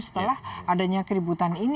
setelah adanya keributan ini